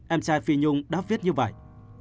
em trai phi nhung đã viết như vậy